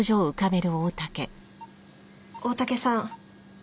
大竹さん。